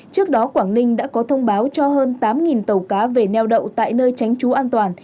trước đó quảng ninh đã có thông báo cho hơn tám tàu cá về neo đậu tại nơi tránh trú an toàn